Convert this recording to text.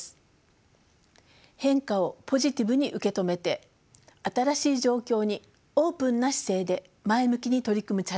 変化をポジティブに受け止めて新しい状況にオープンな姿勢で前向きに取り組むチャレンジ